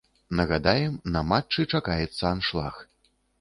Нагадаем, на матчы чакаецца аншлаг.